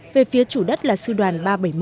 về phía chủ đất là sư đoàn ba trăm bảy mươi một